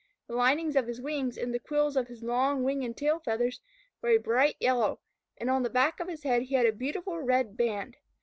The linings of his wings, and the quills of his long wing and tail feathers were a bright yellow, and on the back of his head he had a beautiful red band.